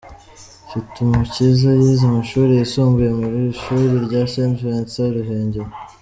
Mfitumukiza yize amashuri yisumbuye mu ishuri rya Saint Vincent-Ruhengeri.